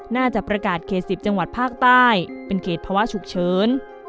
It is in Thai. น่าจะประกาศเขต๑๐จังหวัดภาคใต้เป็นเขตภาวะฉุกเฉิน